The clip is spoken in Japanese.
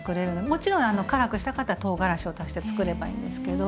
もちろん辛くしたかったらとうがらしを足してつくればいいんですけど。